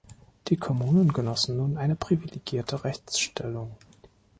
Die Kommunen genossen nun eine privilegierte Rechtsstellung.